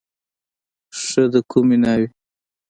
ښه د کومې ناوې.